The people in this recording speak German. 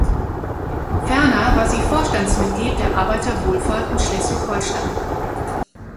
Ferner war sie Vorstandsmitglied der Arbeiterwohlfahrt in Schleswig-Holstein.